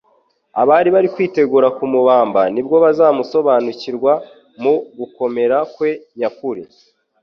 Abari bari kwitegura kumubamba nibwo bazamusobanukirwa mu gukomera kwe nyakuri.